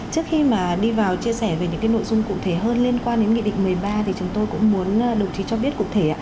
trước khi mà đi vào chia sẻ về những nội dung cụ thể hơn liên quan đến nghị định một mươi ba thì chúng tôi cũng muốn đồng chí cho biết cụ thể